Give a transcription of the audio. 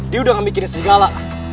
dia udah gak mikirin serigala